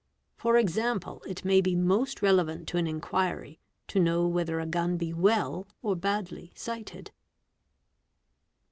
For example, it may be most relevant to an inquiry to know whether a gun be well or badly }; sighted.